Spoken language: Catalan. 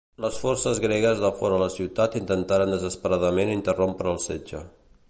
Les forces gregues de fora la ciutat intentaven desesperadament interrompre el setge.